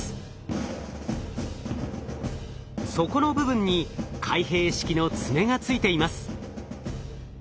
底の部分に開閉式の爪がついています。